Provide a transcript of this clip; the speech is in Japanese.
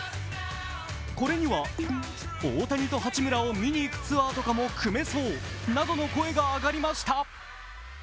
これには大谷と八村を見に行くツアーとかも組めそうなどの声が上がりました。